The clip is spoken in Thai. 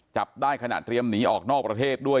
จับได้ขณะเตรียมหนีออกนอกประเทศด้วย